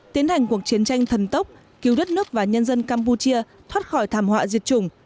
tiến hành cuộc chiến tranh thần tốc cứu đất nước và nhân dân campuchia thoát khỏi thảm họa diệt chủng